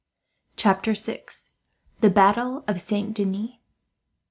Chapter 6: The Battle Of Saint Denis.